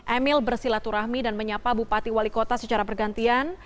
emil bersilaturahmi dan menyapa bupati wali kota secara bergantian